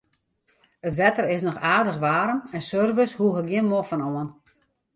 It wetter is noch aardich waarm en surfers hoege gjin moffen oan.